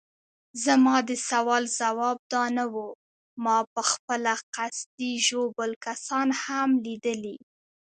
زما د سوال ځواب دا نه وو، ما پخپله قصدي ژوبل کسان هم لیدلي.